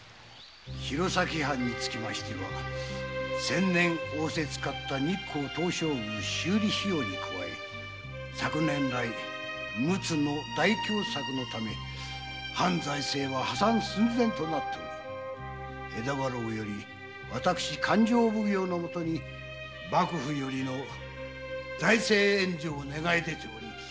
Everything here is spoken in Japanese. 弘前藩は先年の東照宮の修理費用に加え昨年来陸奥の大凶作のため藩の財政は破産寸前となっており江戸家老より私・勘定奉行のもとに幕府よりの財政援助を願い出ております。